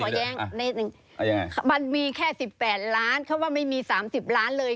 แย้งนิดนึงมันมีแค่๑๘ล้านเขาว่าไม่มี๓๐ล้านเลย